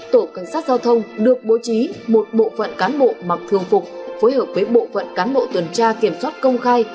tổ cảnh sát giao thông được bố trí một bộ phận cán bộ mặc thường phục phối hợp với bộ phận cán bộ tuần tra kiểm soát công khai